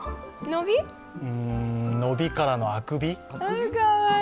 伸びからのあくび。